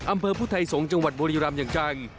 อำเภอพุทธไทยสงศ์จังหวัดบุรีรำอย่างจัง